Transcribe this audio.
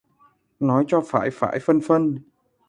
Nói cho phải phải phân phân